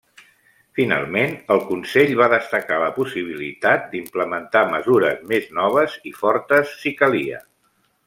Finalment, el Consell va destacar la possibilitat d'implementar mesures més noves i fortes si calia.